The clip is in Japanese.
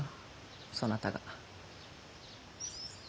そなたが。